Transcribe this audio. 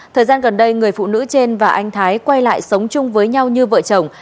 thời gian gần đây người phụ nữ trên và anh thái quay lại sống chung với nhau như vợ chồng